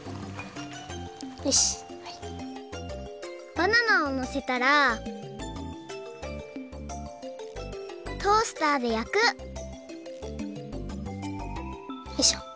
バナナをのせたらトースターでやくよいしょ。